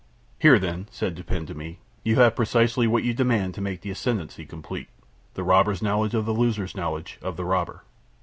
"Here, then," said Dupin to me, "you have precisely what you demand to make the ascendancy complete the robber's knowledge of the loser's knowledge of the robber."